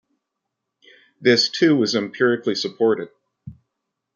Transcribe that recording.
This too was empirically supported.